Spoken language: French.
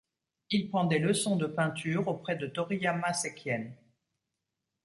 Il prend des leçons de peinture auprès de Toriyama Sekien.